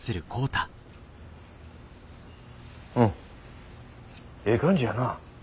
うんええ感じやな。